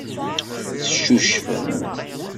Teccucfem.